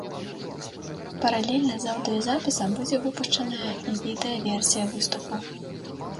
Паралельна з аўдыёзапісам будзе выпушчаная і відэа-версія выступу.